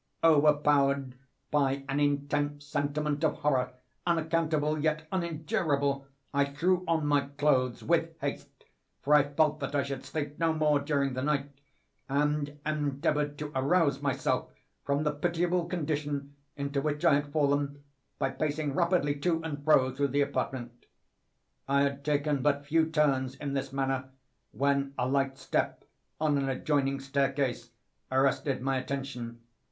Overpowered by an intense sentiment of horror, unaccountable yet unendurable, I threw on my clothes with haste (for I felt that I should sleep no more during the night), and endeavored to arouse myself from the pitiable condition into which I had fallen, by pacing rapidly to and fro through the apartment. I had taken but few turns in this manner, when a light step on an adjoining staircase arrested my attention.